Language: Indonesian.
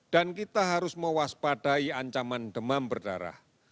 kita harus mewaspadai ancaman demam berdarah